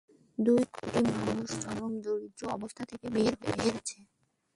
দুই কোটির বেশি মানুষ চরম দরিদ্র অবস্থা থেকে বের হয়ে এসেছে।